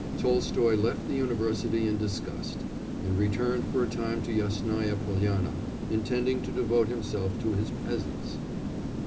Tolstoy left the university in disgust, and returned for a time to Yasnaya Polyana, intending to devote himself to his peasants.